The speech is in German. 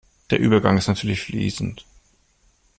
Der Übergang ist natürlich fließend.